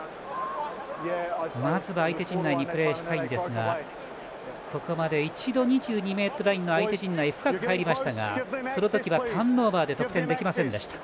まずは相手陣内でプレーしたいんですがここまで一度、２２ｍラインの相手陣内深く入りましたがその時はターンオーバーで得点できませんでした。